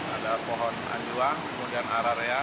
ada pohon anjuang kemudian ararea